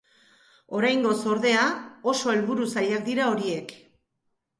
Oraingoz, ordea, oso helburu zailak dira horiek.